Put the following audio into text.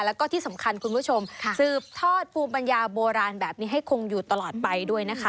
แล้วก็ที่สำคัญคุณผู้ชมสืบทอดภูมิปัญญาโบราณแบบนี้ให้คงอยู่ตลอดไปด้วยนะคะ